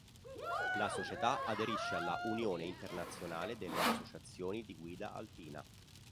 La società aderisce alla Unione Internazionale delle Associazioni di Guida Alpina.